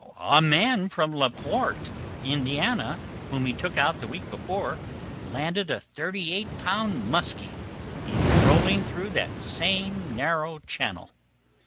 A man from La Porte, Indiana, whom he took out the week before, landed a thirty eight pound "muskie" in trolling through that same narrow channel.